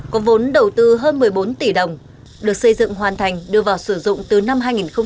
có vốn đầu tư hơn một mươi bốn tỷ đồng được xây dựng hoàn thành đưa vào sử dụng từ năm hai nghìn một mươi